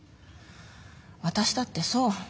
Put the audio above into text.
私だってそう。